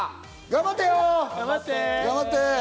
頑張ってよ。